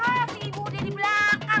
ya si ibu udah di belakang